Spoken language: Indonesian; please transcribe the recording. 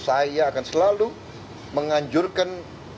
saya akan selalu menganjurkan